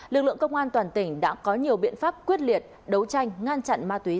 lực lượng công an toàn tỉnh đã có nhiều biện pháp quyết liệt đấu tranh ngăn chặn ma túy